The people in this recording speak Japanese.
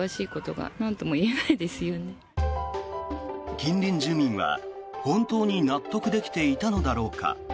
近隣住民は、本当に納得できていたのだろうか。